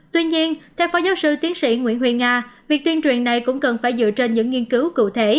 tuy nhiên theo phó giáo sư tiến sĩ nguyễn huyền nga việc tuyên truyền này cũng cần phải dựa trên những nghiên cứu cụ thể